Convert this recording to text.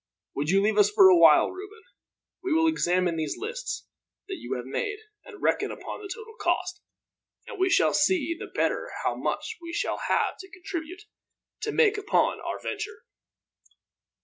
"Would you leave us for a while, Reuben? We will examine these lists that you have made, and reckon up the total cost; and we shall then see the better how much we shall each have to contribute, to make up our venture."